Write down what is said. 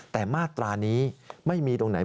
แต่มาตรานี้ไม่มีตรงไหน